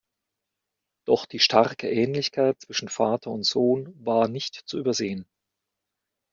Doch die starke Ähnlichkeit zwischen Vater und Sohn war nicht zu übersehen.